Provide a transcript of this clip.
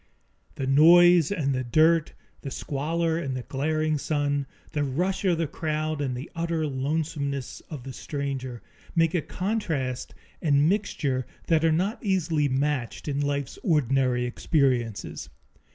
The noise and the dirt; the squalor and the glaring sun; the rush of the crowd and the utter lonesomeness of the stranger, make a contrast and mixture that are not easily matched in life's ordinary experiences.